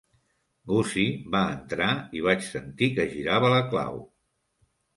Gussie va entrar i vaig sentir que girava la clau.